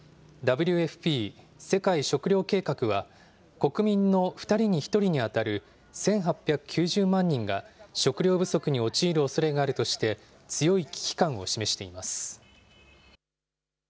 ＷＦＰ・世界食糧計画は、国民の２人に１人に当たる１８９０万人が、食料不足に陥るおそれがあるとして、強い危機感を示しています。